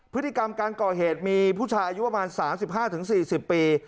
พฤติกรรมการก่อเหตุมีผู้ชายอายุประมาณสามสิบห้าถึงสี่สิบปี